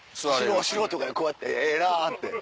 素人がこうやってええなぁって。